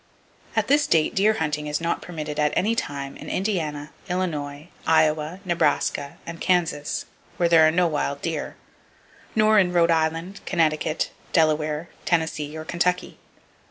At this date deer hunting is not permitted at any time in Indiana, Illinois, Iowa, Nebraska and Kansas,—where there are no wild deer; nor in Rhode Island, Connecticut, Delaware, Tennessee or Kentucky.